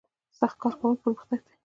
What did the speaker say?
سخت کار کول پرمختګ دی